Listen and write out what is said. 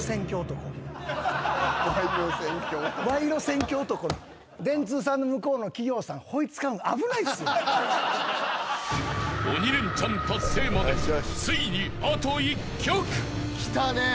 「賄賂選挙男」［鬼レンチャン達成までついにあと１曲］